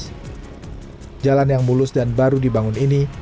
hai jalan yang mulus dan baru dibangun ini